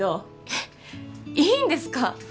えっいいんですか？